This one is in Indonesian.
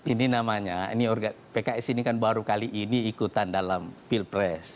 ini namanya ini pks ini kan baru kali ini ikutan dalam pilpres